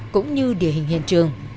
cũng như địa hình hiện trường